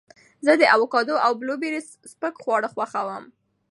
زه د اوکاډو او بلوبېري سپک خواړه خوښوم.